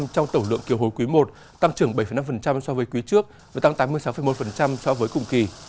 tổng lượng kiều hối quý i tăng trưởng bảy năm so với quý trước và tăng tám mươi sáu một so với cùng kỳ